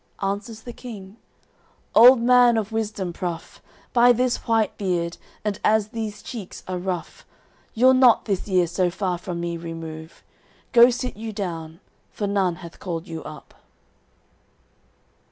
Answers the King: "Old man of wisdom pruff; By this white beard, and as these cheeks are rough, You'll not this year so far from me remove; Go sit you down, for none hath called you up."